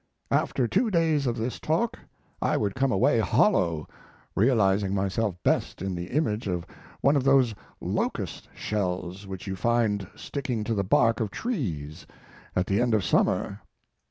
After two days of this talk I would come away hollow, realizing myself best in the image of one of those locust shells which you find sticking to the bark of trees at the end of summer."